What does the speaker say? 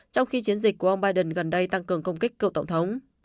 trong khi chiến dịch của ông biden gần đây tăng cường công kích cựu tổng thống